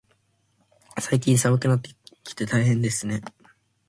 最近、寒くなってきて大変ですね。